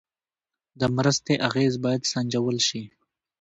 د مرستې اغېز باید سنجول شي.